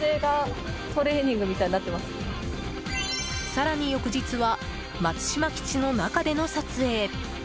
更に翌日は松島基地の中での撮影。